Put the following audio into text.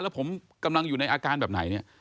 แล้วผมกำลังอยู่ในอาการแบบไหนเนี่ย